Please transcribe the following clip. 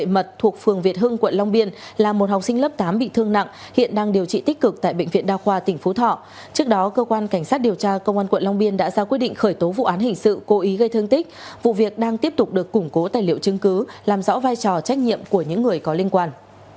một học sinh lớp tám bị thương nặng hiện đang điều trị tích cực tại bệnh viện đa khoa tỉnh phú thọ trước đó cơ quan cảnh sát điều tra công an quận long biên đã ra quyết định khởi tố vụ án hình sự cố ý gây thương tích vụ việc đang tiếp tục được củng cố tài liệu chứng cứ làm rõ vai trò trách nhiệm của những người có liên quan